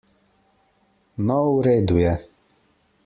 No, v redu je.